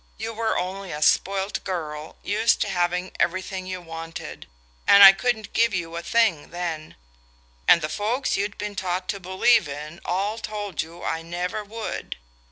You were only a spoilt girl, used to having everything you wanted; and I couldn't give you a thing then, and the folks you'd been taught to believe in all told you I never would.